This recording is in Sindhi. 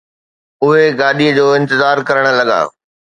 اهي گاڏيءَ جو انتظار ڪرڻ لڳا